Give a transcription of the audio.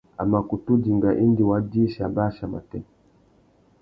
A mà kutu dinga indi wa dïchî abachia matê.